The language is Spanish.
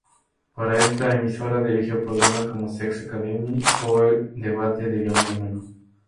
Para esta emisora dirigió programas como "Sex Academy" o "El Debate de Gran Hermano".